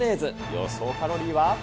予想カロリーは。